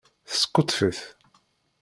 Teskuṭṭef-it.